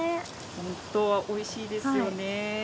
ホントおいしいですよね。